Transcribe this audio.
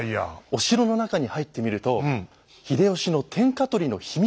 お城の中に入ってみると秀吉の天下取りの秘密まで見えてきたんです。